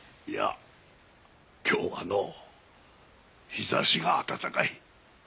いや今日はのう日ざしが暖かい。